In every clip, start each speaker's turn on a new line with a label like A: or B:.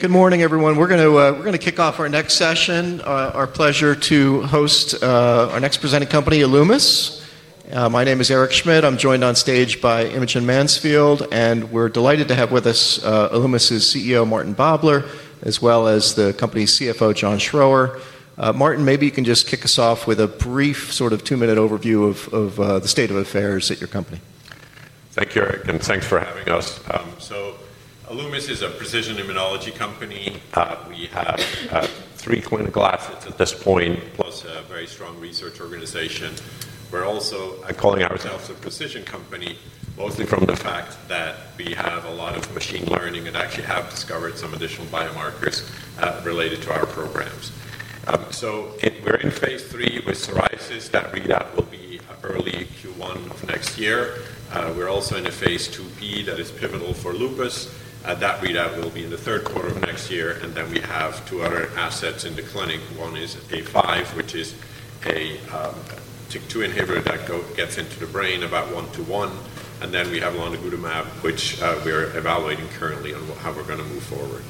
A: Good morning, everyone. We're going to kick off our next session. Our pleasure to host our next presenting company, Alumis. My name is Eric Schmidt. I'm joined on stage by Imogen Mansfield, and we're delighted to have with us Alumis ' CEO, Martin Babler, as well as the company's CFO, John Schroer. Martin, maybe you can just kick us off with a brief sort of two-minute overview of the state of affairs at your company.
B: Thank you, Eric, and thanks for having us. Alumis is a precision immunology company. We have three clinical assets at this point, plus a very strong research organization. We're also calling ourselves a precision company, mostly from the fact that we have a lot of machine learning and actually have discovered some additional biomarkers related to our programs. We're in phase III with psoriasis. That read-out will be early Q1 of next year. We're also in a phase II-B that is pivotal for lupus. That read-out will be in the third quarter of next year. We have two other assets in the clinic. One is A-005, which is a TYK2 inhibitor that gets into the brain about one to one. We have lonigutamab, which we're evaluating currently on how we're going to move forward.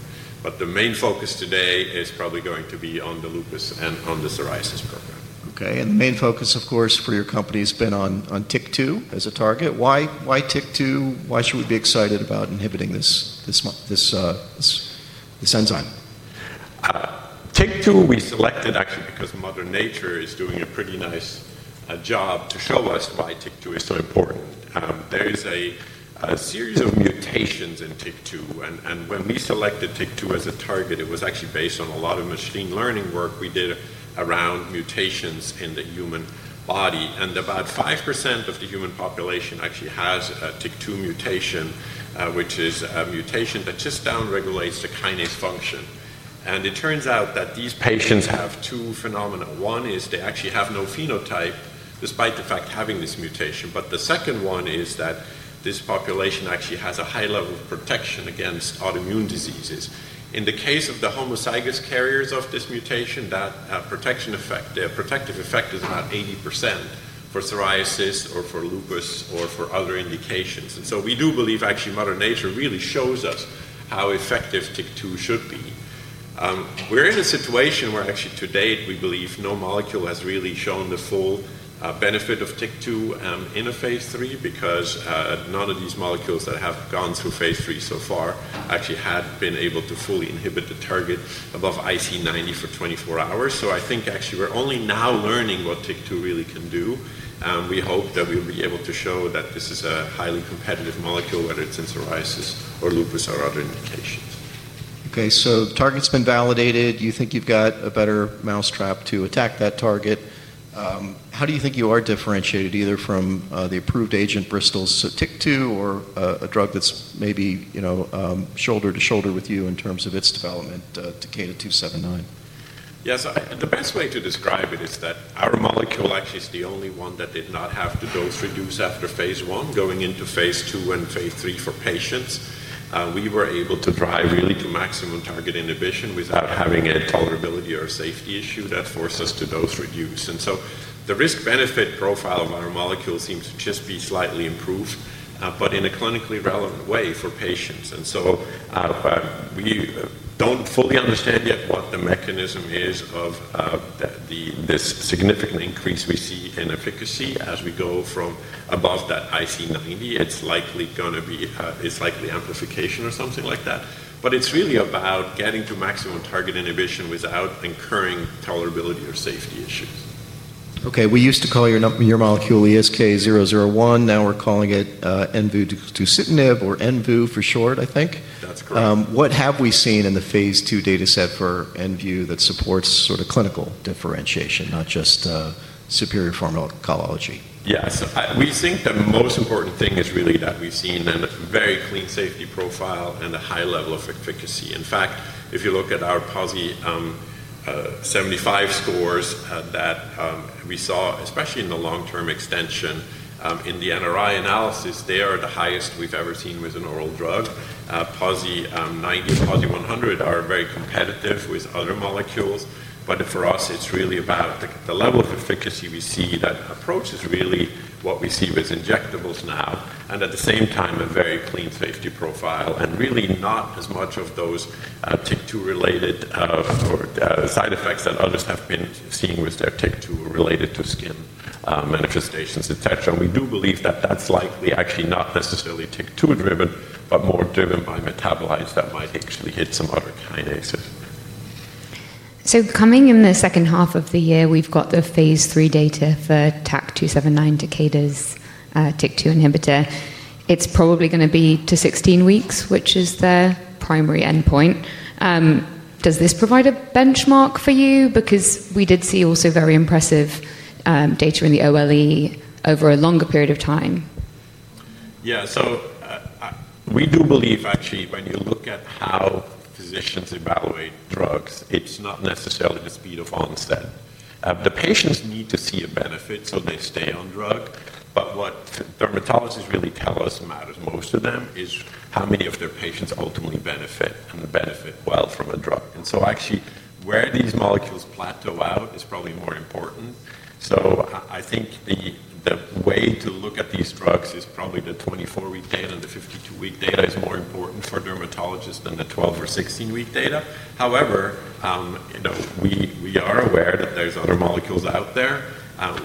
B: The main focus today is probably going to be on the lupus and on the psoriasis program.
A: Okay. The main focus, of course, for your company has been on TYK2 as a target. Why TYK2? Why should we be excited about inhibiting this enzyme?
B: TYK2, we selected actually because Mother Nature is doing a pretty nice job to show us why TYK2 is so important. There is a series of mutations in TYK2, and when we selected TYK2 as a target, it was actually based on a lot of machine learning work we did around mutations in the human body. About 5% of the human population actually has a TYK2 mutation, which is a mutation that just downregulates the kinase function. It turns out that these patients have two phenomena. One is they actually have no phenotype, despite the fact of having this mutation. The second one is that this population actually has a high level of protection against autoimmune diseases. In the case of the homozygous carriers of this mutation, that protective effect is about 80% for psoriasis or for lupus or for other indications. We do believe actually Mother Nature really shows us how effective TYK2 should be. We're in a situation where actually to date we believe no molecule has really shown the full benefit of TYK2 in a phase III trial because none of these molecules that have gone through phase III so far actually had been able to fully inhibit the target above IC 90 for 24 hours. I think actually we're only now learning what TYK2 really can do. We hope that we'll be able to show that this is a highly competitive molecule, whether it's in psoriasis or lupus or other indications.
A: Okay, so target's been validated. You think you've got a better mousetrap to attack that target. How do you think you are differentiated either from the approved agent, Bristol Myers Squibb's TYK2, or a drug that's maybe, you know, shoulder to shoulder with you in terms of its development, TAK-279?
B: Yeah, the best way to describe it is that our molecule actually is the only one that did not have to dose reduce after phase I, going into phase II and phase III for patients. We were able to drive really to maximum target inhibition without having a probability or safety issue that forced us to dose reduce. The risk-benefit profile of our molecule seems to just be slightly improved, but in a clinically relevant way for patients. We don't fully understand yet what the mechanism is of this significant increase we see in efficacy as we go from above that IC90. It's likely going to be, it's like the amplification or something like that. It's really about getting to maximum target inhibition without incurring tolerability or safety issues.
A: Okay, we used to call your molecule ESK-001. Now we're calling it envudeucitinib or envu for short, I think. What have we seen in the phase II data set for envu that supports sort of clinical differentiation, not just superior pharmacology?
B: Yeah, we think the most important thing is really that we've seen a very clean safety profile and a high level of efficacy. In fact, if you look at our PASI 75 scores that we saw, especially in the long-term extension in the NRI analysis, they are the highest we've ever seen with an oral drug. PASI 90, PASI 100 are very competitive with other molecules. For us, it's really about the level of efficacy we see. That approach is really what we see with injectables now, and at the same time, a very clean safety profile and really not as much of those TYK2-related side effects that others have been seeing with their TYK2 related to skin manifestations, etc. We do believe that that's likely actually not necessarily TYK2-driven, but more driven by metabolites that might actually hit some other kinases.
A: Coming in the second half of the year, we've got the phase III data for TAK-279, a TYK2 inhibitor. It's probably going to be to 16 weeks, which is the primary endpoint. Does this provide a benchmark for you? Because we did see also very impressive data in the OLE over a longer period of time.
B: Yeah, so we do believe actually when you look at how physicians evaluate drugs, it's not necessarily the speed of onset. The patients need to see a benefit so they stay on drug. What dermatologists really tell us matters most to them is how many of their patients ultimately benefit and benefit well from a drug. Actually, where these molecules plateau out is probably more important. I think the way to look at these drugs is probably the 24-week data and the 52-week data is more important for dermatologists than the 12 or 16-week data. However, we are aware that there's other molecules out there.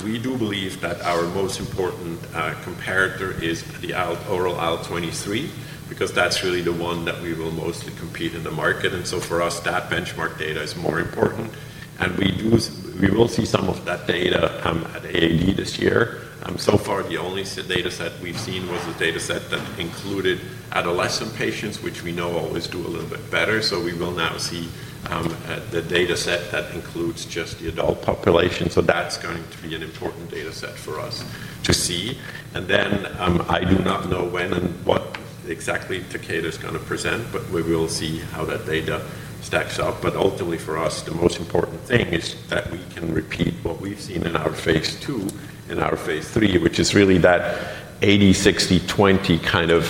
B: We do believe that our most important comparator is the oral IL-23 because that's really the one that we will mostly compete with in the market. For us, that benchmark data is more important. We will see some of that data come at AAE this year. So far, the only data set we've seen was the data set that included adolescent patients, which we know always do a little bit better. We will now see the data set that includes just the adult population. That's going to be an important data set for us to see. I do not know when and what exactly Takeda is going to present, but we will see how that data stacks up. Ultimately for us, the most important thing is that we can repeat what we've seen in our phase II, in our phase III, which is really that 80-60-20 kind of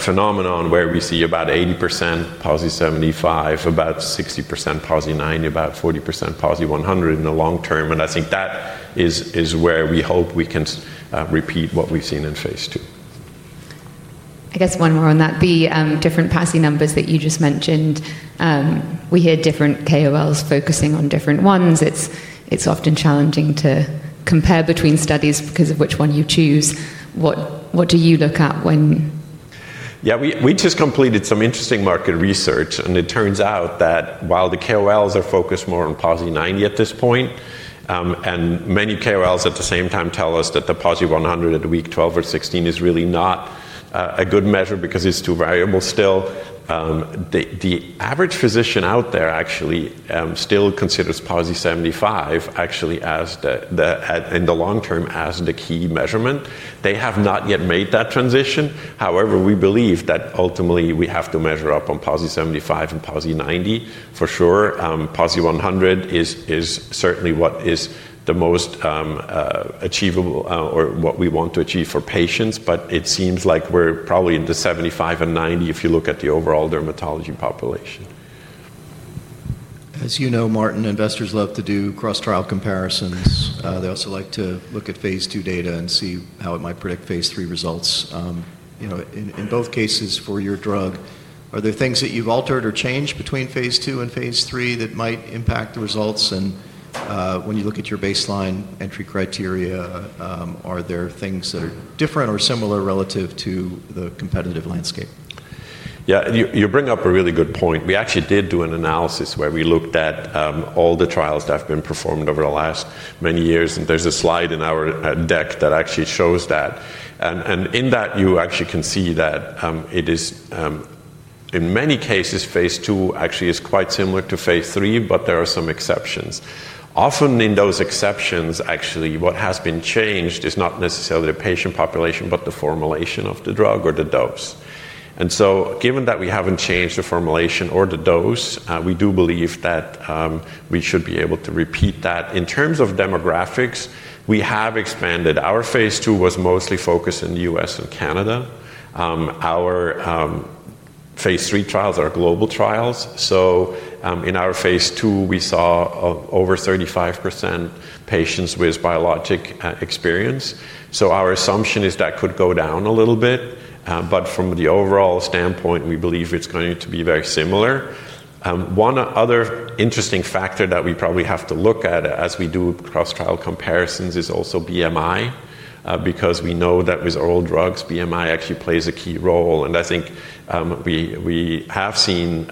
B: phenomenon where we see about 80% PASI 75, about 60% PASI 90, about 40% PASI 100 in the long term. I think that is where we hope we can repeat what we've seen in phase II.
A: I guess one more on that. The different PASI numbers that you just mentioned, we hear different KOLs focusing on different ones. It's often challenging to compare between studies because of which one you choose. What do you look at when?
B: Yeah, we just completed some interesting market research, and it turns out that while the KOLs are focused more on PASI 90 at this point, many KOLs at the same time tell us that the PASI 100 at week 12 or 16 is really not a good measure because it's too variable still. The average physician out there actually still considers PASI 75 as the long-term key measurement. They have not yet made that transition. However, we believe that ultimately we have to measure up on PASI 75 and PASI 90 for sure. PASI 100 is certainly what is the most achievable or what we want to achieve for patients, but it seems like we're probably in the 75 and 90 if you look at the overall dermatology population.
A: As you know, Martin, investors love to do cross-trial comparisons. They also like to look at phase II data and see how it might predict phase III results. In both cases for your drug, are there things that you've altered or changed between phase II and phase III that might impact the results? When you look at your baseline entry criteria, are there things that are different or similar relative to the competitive landscape?
B: Yeah, you bring up a really good point. We actually did do an analysis where we looked at all the trials that have been performed over the last many years, and there's a slide in our deck that actually shows that. In that, you actually can see that it is, in many cases, phase II actually is quite similar to phase III, but there are some exceptions. Often in those exceptions, what has been changed is not necessarily the patient population, but the formulation of the drug or the dose. Given that we haven't changed the formulation or the dose, we do believe that we should be able to repeat that. In terms of demographics, we have expanded. Our phase II was mostly focused in the U.S. and Canada. Our phase III trials are global trials. In our phase II, we saw over 35% patients with biologic experience. Our assumption is that could go down a little bit. From the overall standpoint, we believe it's going to be very similar. One other interesting factor that we probably have to look at as we do cross-trial comparisons is also BMI. We know that with oral drugs, BMI actually plays a key role. I think we have seen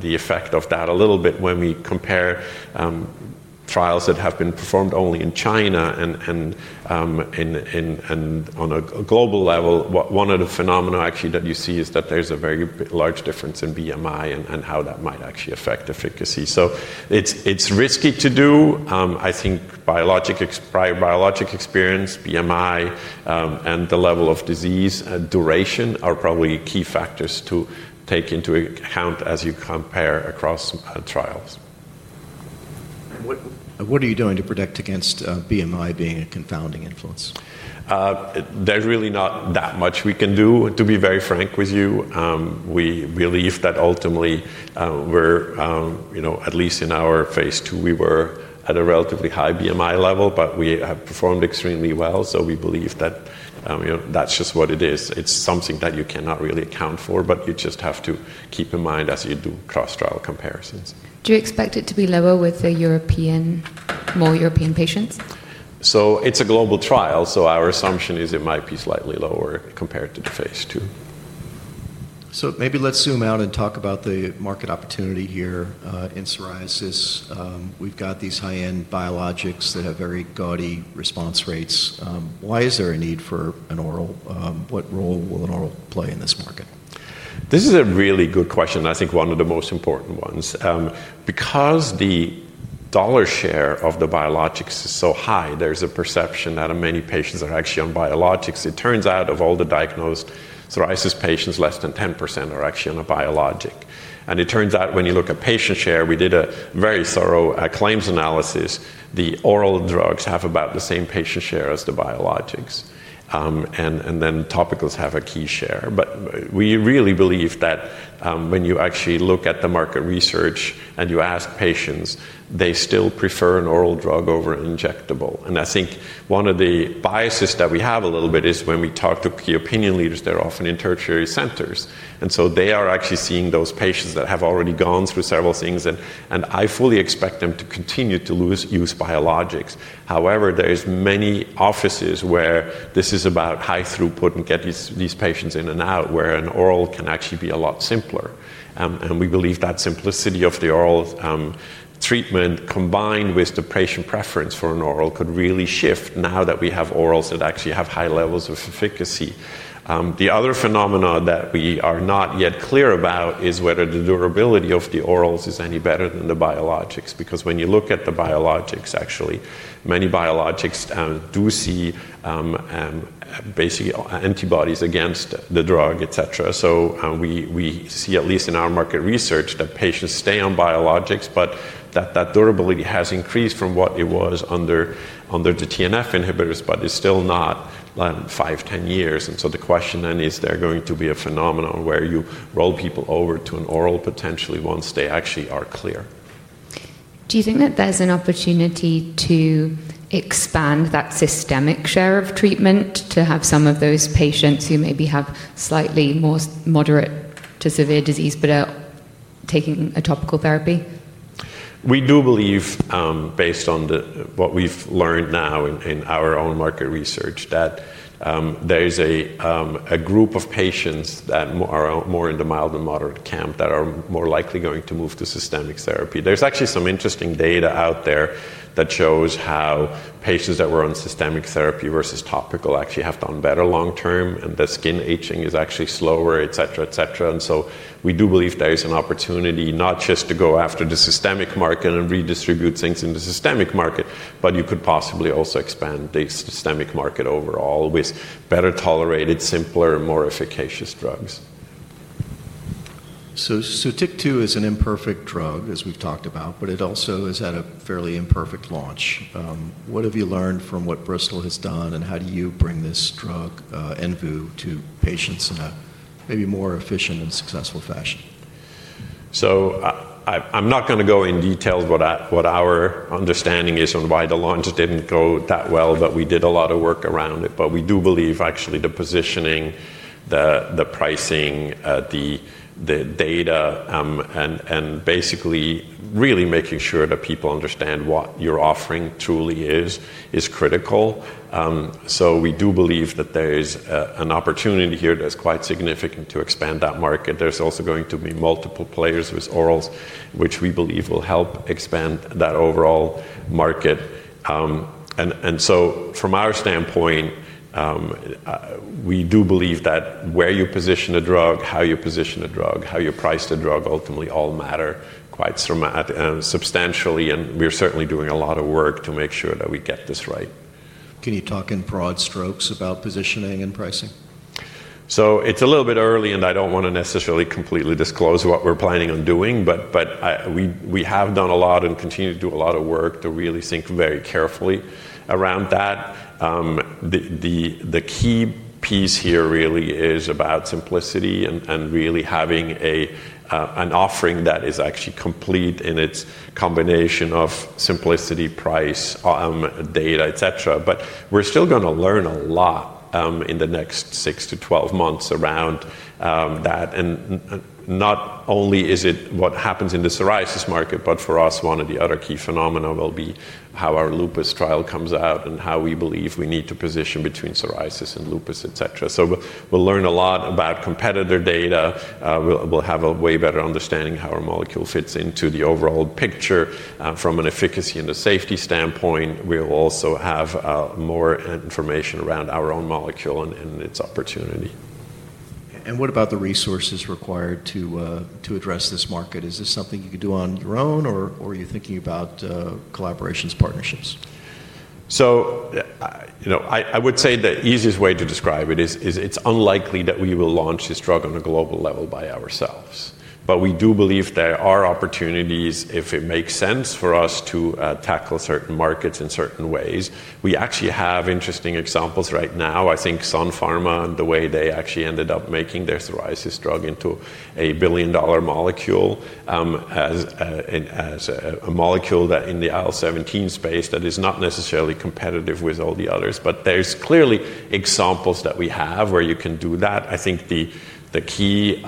B: the effect of that a little bit when we compare trials that have been performed only in China and on a global level. One of the phenomena that you see is that there's a very large difference in BMI and how that might actually affect efficacy. It's risky to do. I think biologic experience, BMI, and the level of disease and duration are probably key factors to take into account as you compare across trials.
A: What are you doing to protect against BMI being a confounding influence?
B: There's really not that much we can do, to be very frank with you. We believe that ultimately we're at least in our phase II, we were at a relatively high BMI level, but we have performed extremely well. We believe that that's just what it is. It's something that you cannot really account for, but you just have to keep in mind as you do cross-trial comparisons.
A: Do you expect it to be lower with more European patients?
B: It's a global trial. Our assumption is it might be slightly lower compared to the phase II.
A: Maybe let's zoom out and talk about the market opportunity here in psoriasis. We've got these high-end biologics that have very gaudy response rates. Why is there a need for an oral? What role will an oral play in this market?
B: This is a really good question. I think one of the most important ones. Because the dollar share of the biologics is so high, there's a perception that many patients are actually on biologics. It turns out of all the diagnosed psoriasis patients, less than 10% are actually on a biologic. It turns out when you look at patient share, we did a very thorough claims analysis. The oral drugs have about the same patient share as the biologics. Topicals have a key share. We really believe that when you actually look at the market research and you ask patients, they still prefer an oral drug over an injectable. I think one of the biases that we have a little bit is when we talk to key opinion leaders, they're often in tertiary centers. They are actually seeing those patients that have already gone through several things. I fully expect them to continue to use biologics. However, there are many offices where this is about high throughput and get these patients in and out, where an oral can actually be a lot simpler. We believe that simplicity of the oral treatment combined with the patient preference for an oral could really shift now that we have orals that actually have high levels of efficacy. The other phenomena that we are not yet clear about is whether the durability of the orals is any better than the biologics. When you look at the biologics, actually many biologics do see basically antibodies against the drug, et cetera. We see at least in our market research that patients stay on biologics, but that durability has increased from what it was under the TNF inhibitors, but it's still not done five, 10 years. The question then is there going to be a phenomenon where you roll people over to an oral potentially once they actually are clear?
A: Do you think that there's an opportunity to expand that systemic share of treatment to have some of those patients who maybe have slightly more moderate to severe disease but are taking a topical therapy?
B: We do believe, based on what we've learned now in our own market research, that there's a group of patients that are more in the mild and moderate camp that are more likely going to move to systemic therapy. There's actually some interesting data out there that shows how patients that were on systemic therapy versus topical actually have done better long term, and the skin aging is actually slower, etc., etc. We do believe there's an opportunity not just to go after the systemic market and redistribute things in the systemic market, but you could possibly also expand the systemic market overall with better tolerated, simpler, and more efficacious drugs.
A: TYK2 is an imperfect drug, as we've talked about, but it also is at a fairly imperfect launch. What have you learned from what Bristol has done, and how do you bring this drug, envu, to patients in a maybe more efficient and successful fashion?
B: I'm not going to go in detail what our understanding is on why the launch didn't go that well, but we did a lot of work around it. We do believe actually the positioning, the pricing, the data, and basically really making sure that people understand what you're offering truly is critical. We do believe that there's an opportunity here that's quite significant to expand that market. There's also going to be multiple players with orals, which we believe will help expand that overall market. From our standpoint, we do believe that where you position a drug, how you position a drug, how you price a drug ultimately all matter quite substantially. We're certainly doing a lot of work to make sure that we get this right.
A: Can you talk in broad strokes about positioning and pricing?
B: It is a little bit early, and I don't want to necessarily completely disclose what we're planning on doing, but we have done a lot and continue to do a lot of work to really think very carefully around that. The key piece here really is about simplicity and really having an offering that is actually complete in its combination of simplicity, price, data, et cetera. We're still going to learn a lot in the next 6- 12 months around that. Not only is it what happens in the psoriasis market, but for us, one of the other key phenomena will be how our lupus trial comes out and how we believe we need to position between psoriasis and lupus, et cetera. We will learn a lot about competitor data. We'll have a way better understanding of how our molecule fits into the overall picture from an efficacy and a safety standpoint. We'll also have more information around our own molecule and its opportunity.
A: What about the resources required to address this market? Is this something you could do on your own, or are you thinking about collaborations, partnerships?
B: I would say the easiest way to describe it is it's unlikely that we will launch this drug on a global level by ourselves. We do believe there are opportunities if it makes sense for us to tackle certain markets in certain ways. We actually have interesting examples right now. I think Sun Pharma, the way they actually ended up making their psoriasis drug into a billion-dollar molecule, as a molecule that in the IL-17 space that is not necessarily competitive with all the others. There are clearly examples that we have where you can do that. I think the key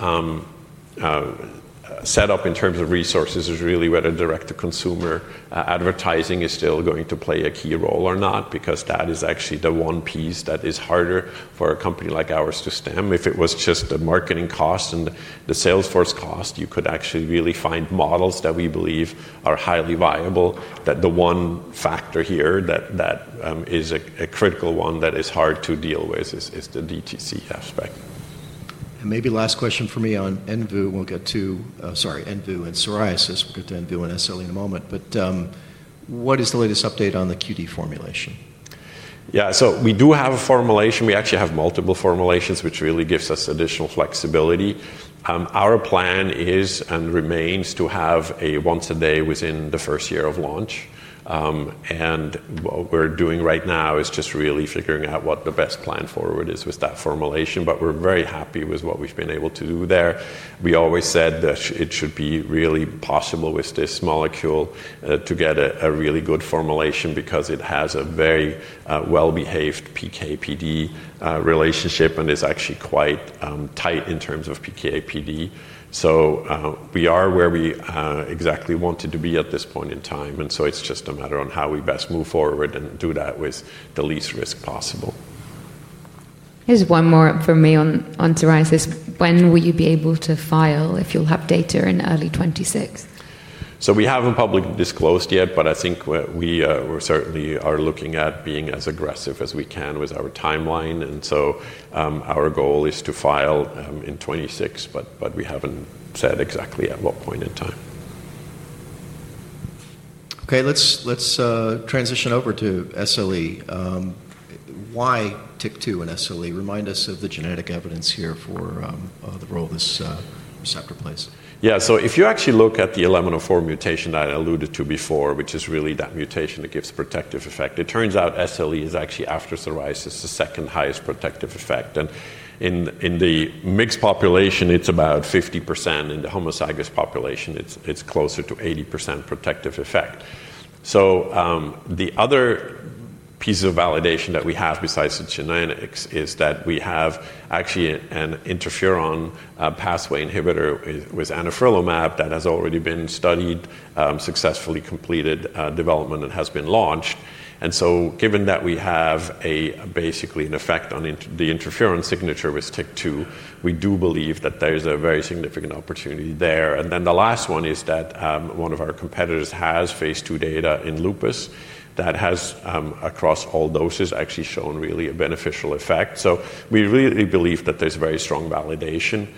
B: setup in terms of resources is really whether direct-to-consumer advertising is still going to play a key role or not, because that is actually the one piece that is harder for a company like ours to stem. If it was just the marketing cost and the salesforce cost, you could actually really find models that we believe are highly viable. The one factor here that is a critical one that is hard to deal with is the DTC aspect.
A: Maybe last question for me on envu. We'll get to, sorry, envu and psoriasis. We'll get to envu and SLE in a moment. What is the latest update on the QD formulation?
B: Yeah, so we do have a formulation. We actually have multiple formulations, which really gives us additional flexibility. Our plan is and remains to have a once-a-day within the first year of launch. What we're doing right now is just really figuring out what the best plan forward is with that formulation. We're very happy with what we've been able to do there. We always said that it should be really possible with this molecule to get a really good formulation because it has a very well-behaved PK/PD relationship and is actually quite tight in terms of PK/PD. We are where we exactly wanted to be at this point in time. It's just a matter of how we best move forward and do that with the least risk possible.
A: Here's one more for me on psoriasis. When will you be able to file if you'll have data in early 2026?
B: We haven't publicly disclosed yet, but I think we certainly are looking at being as aggressive as we can with our timeline. Our goal is to file in 2026, but we haven't said exactly at what point in time.
A: Okay, let's transition over to SLE. Why TYK2 and SLE? Remind us of the genetic evidence here for the role this receptor plays.
B: Yeah, so if you actually look at the 11-04 mutation that I alluded to before, which is really that mutation that gives protective effect, it turns out SLE is actually, after psoriasis, the second highest protective effect. In the mixed population, it's about 50%. In the homozygous population, it's closer to 80% protective effect. The other piece of validation that we have besides the genetics is that we have actually an interferon pathway inhibitor with anifrolumab that has already been studied, successfully completed development, and has been launched. Given that we have basically an effect on the interferon signature with TYK2, we do believe that there's a very significant opportunity there. The last one is that one of our competitors has phase II data in lupus that has, across all doses, actually shown really a beneficial effect. We really believe that there's very strong validation.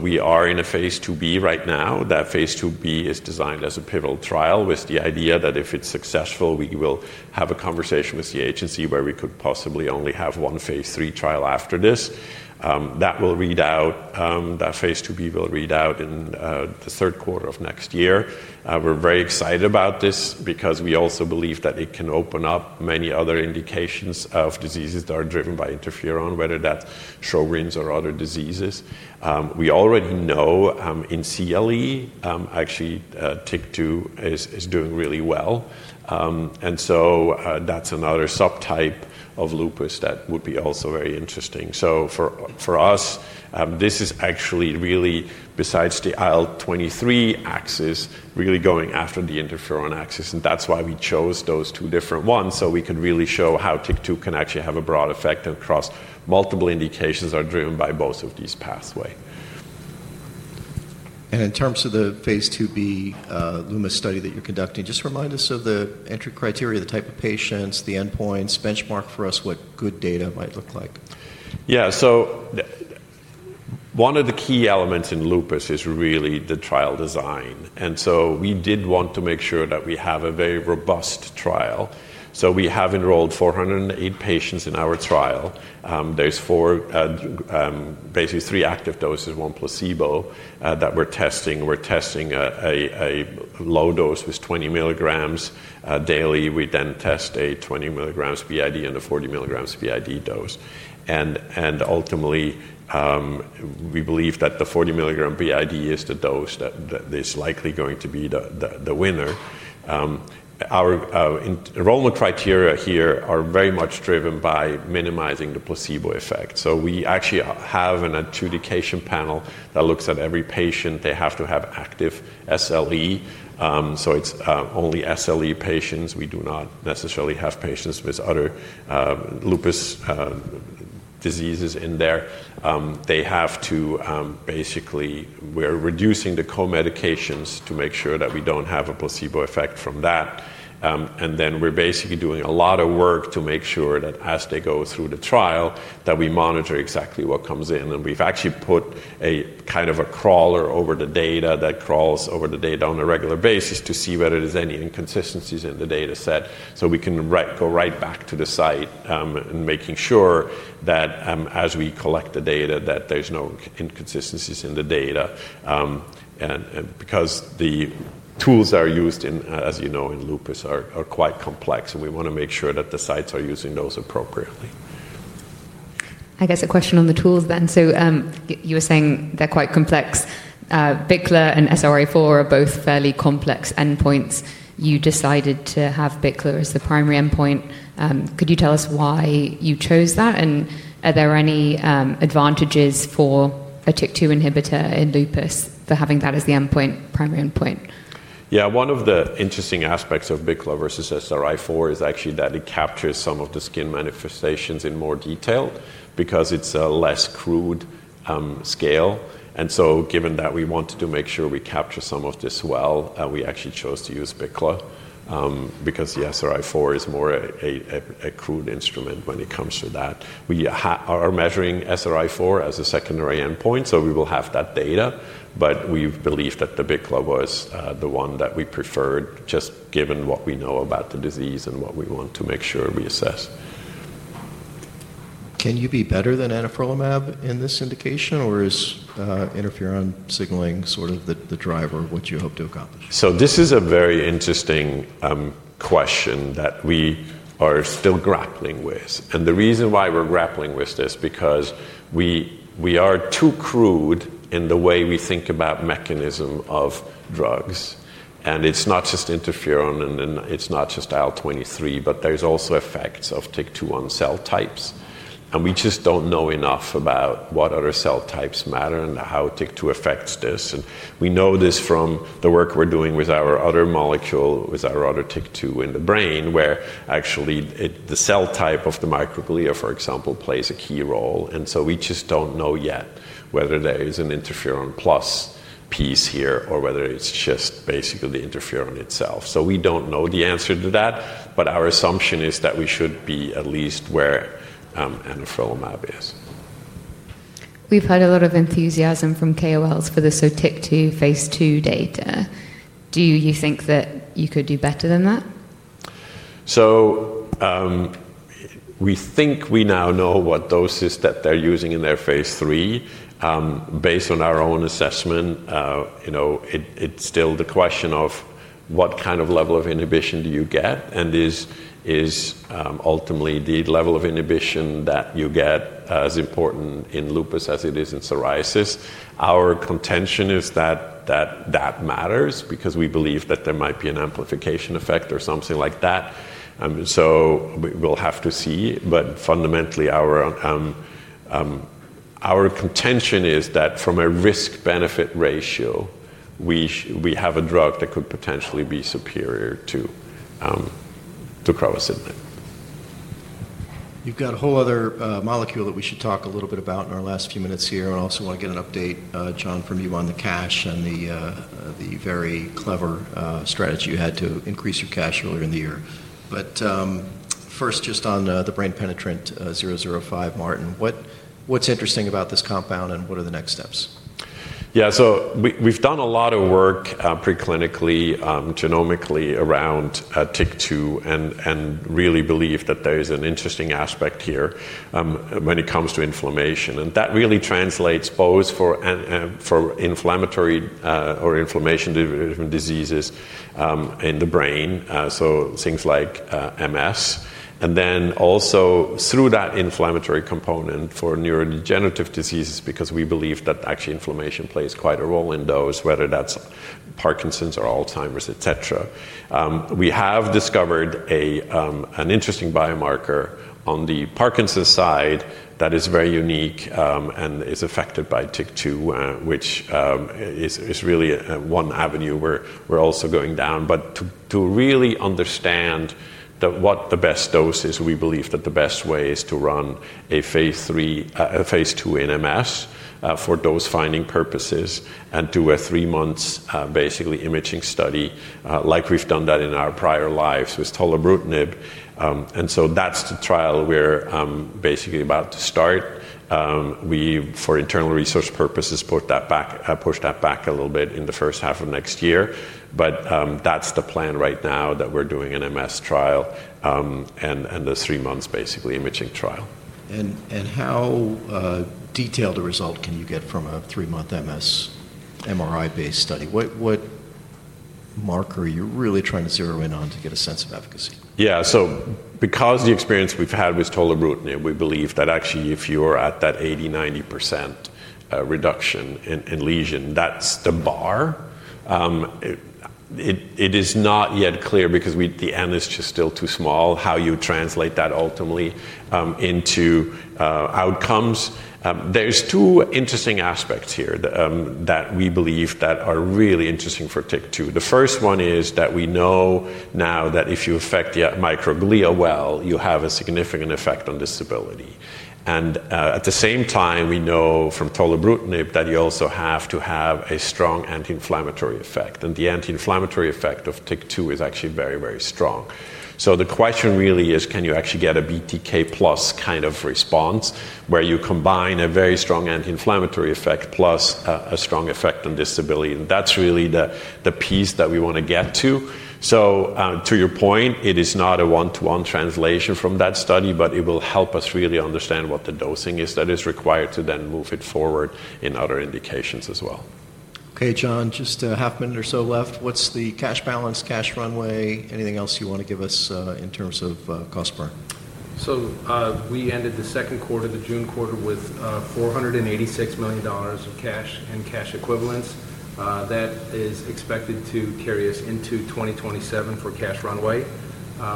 B: We are in a phase II-B right now. That phase II-B is designed as a pivotal trial with the idea that if it's successful, we will have a conversation with the agency where we could possibly only have one phase III trial after this. That will read out, that phase II-B will read out in the third quarter of next year. We're very excited about this because we also believe that it can open up many other indications of diseases that are driven by interferon, whether that's Sjogren's or other diseases. We already know in CLE, actually TYK2 is doing really well. That's another subtype of lupus that would be also very interesting. For us, this is actually really, besides the IL-23 axis, really going after the interferon axis. That's why we chose those two different ones. We could really show how TYK2 can actually have a broad effect across multiple indications that are driven by both of these pathways.
A: In terms of the phase II-B Alumis study that you're conducting, just remind us of the entry criteria, the type of patients, the endpoints, benchmark for us, what good data might look like.
B: Yeah, so one of the key elements in lupus is really the trial design. We did want to make sure that we have a very robust trial. We have enrolled 408 patients in our trial. There's basically three active doses, one placebo that we're testing. We're testing a low dose with 20 mg daily. We then test a 20 mg BID and a 40 mg BID dose. Ultimately, we believe that the 40 mg BID is the dose that is likely going to be the winner. Our enrollment criteria here are very much driven by minimizing the placebo effect. We actually have an adjudication panel that looks at every patient. They have to have active SLE. It's only SLE patients. We do not necessarily have patients with other lupus diseases in there. We're reducing the co-medications to make sure that we don't have a placebo effect from that. We're basically doing a lot of work to make sure that as they go through the trial, we monitor exactly what comes in. We've actually put a kind of a crawler over the data that crawls over the data on a regular basis to see whether there's any inconsistencies in the data set. We can go right back to the site and make sure that as we collect the data, there's no inconsistencies in the data. The tools that are used in, as you know, in lupus are quite complex, and we want to make sure that the sites are using those appropriately.
A: I guess a question on the tools then. You were saying they're quite complex. BICLA and SRI4 are both fairly complex endpoints. You decided to have BICLA as the primary endpoint. Could you tell us why you chose that? Are there any advantages for a TYK2 inhibitor in lupus for having that as the primary endpoint?
B: Yeah, one of the interesting aspects of BICLA versus SRA4 is actually that it captures some of the skin manifestations in more detail because it's a less crude scale. Given that we wanted to make sure we capture some of this well, we actually chose to use BICLA because the SRI4 is more a crude instrument when it comes to that. We are measuring SRI4 as a secondary endpoint, so we will have that data, but we believe that the BICLA was the one that we preferred just given what we know about the disease and what we want to make sure we assess.
A: Can you be better than anifrolumab in this indication, or is interferon signaling sort of the driver of what you hope to accomplish?
B: This is a very interesting question that we are still grappling with. The reason why we're grappling with this is because we are too crude in the way we think about the mechanism of drugs. It's not just interferon, and it's not just IL-23, but there's also effects of TYK2 on cell types. We just don't know enough about what other cell types matter and how TYK2 affects this. We know this from the work we're doing with our other molecule, with our other TYK2 in the brain, where actually the cell type of the microglia, for example, plays a key role. We just don't know yet whether there is an interferon plus piece here or whether it's just basically the interferon itself. We don't know the answer to that, but our assumption is that we should be at least where anafilumab is.
A: We've heard a lot of enthusiasm from KOLs for this, TYK2 phase II data. Do you think that you could do better than that?
B: We think we now know what doses that they're using in their phase III. Based on our own assessment, it's still the question of what kind of level of inhibition do you get. Is ultimately the level of inhibition that you get as important in lupus as it is in psoriasis? Our contention is that that matters because we believe that there might be an amplification effect or something like that. We'll have to see, but fundamentally our contention is that from a risk-benefit ratio, we have a drug that could potentially be superior to abrocitinib.
A: You've got a whole other molecule that we should talk a little bit about in our last few minutes here. I also want to get an update, John, from you on the cash and the very clever strategy you had to increase your cash earlier in the year. First, just on the brain-penetrant A-005, Martin, what's interesting about this compound and what are the next steps?
B: Yeah, so we've done a lot of work preclinically, genomically around TYK2 and really believe that there is an interesting aspect here when it comes to inflammation. That really translates both for inflammatory or inflammation-induced diseases in the brain, so things like MS. Also, through that inflammatory component for neurodegenerative diseases because we believe that actually inflammation plays quite a role in those, whether that's Parkinson's or Alzheimer's, et cetera. We have discovered an interesting biomarker on the Parkinson's side that is very unique and is affected by TYK2, which is really one avenue we're also going down. To really understand what the best dose is, we believe that the best way is to run a phase II in MS for dose-finding purposes and do a three-month basically imaging study like we've done that in our prior lives with tolerant nib. That's the trial we're basically about to start. We, for internal research purposes, pushed that back a little bit in the first half of next year. That's the plan right now that we're doing an MS trial and the three-month basically imaging trial.
A: How detailed a result can you get from a three-month MS MRI-based study? What marker are you really trying to zero in on to get a sense of efficacy?
B: Yeah, so because the experience we've had with tolerant nib, we believe that actually if you're at that 80%-90% reduction in lesion, that's the bar. It is not yet clear because the N is just still too small how you translate that ultimately into outcomes. There are two interesting aspects here that we believe are really interesting for TYK2. The first one is that we know now that if you affect the microglia well, you have a significant effect on disability. At the same time, we know from tolerant nib that you also have to have a strong anti-inflammatory effect. The anti-inflammatory effect of TYK2 is actually very, very strong. The question really is, can you actually get a BTK plus kind of response where you combine a very strong anti-inflammatory effect plus a strong effect on disability? That's really the piece that we want to get to. To your point, it is not a one-to-one translation from that study, but it will help us really understand what the dosing is that is required to then move it forward in other indications as well.
A: Okay, John, just a half minute or so left. What's the cash balance, cash runway? Anything else you want to give us in terms of cost bar?
C: We ended the second quarter, the June quarter, with $486 million of cash and cash equivalents. That is expected to carry us into 2027 for cash runway.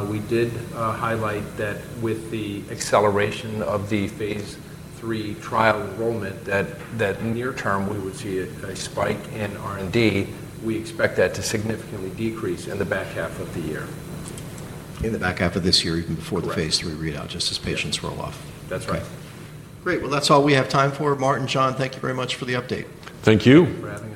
C: We did highlight that with the acceleration of the phase III trial enrollment, that near term we would see a spike in R&D. We expect that to significantly decrease in the back half of the year.
A: In the back half of this year, even before the phase III read-out, just as patients roll off.
C: That's right.
A: Great. That's all we have time for. Martin, John, thank you very much for the update.
B: Thank you.
C: for having us.